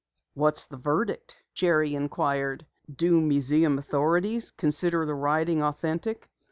"What's the verdict?" Jerry inquired. "Do museum authorities consider the writing authentic?"